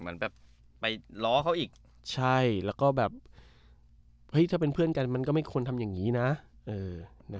เหมือนแบบไปล้อเขาอีกใช่แล้วก็แบบเฮ้ยถ้าเป็นเพื่อนกันมันก็ไม่ควรทำอย่างนี้นะ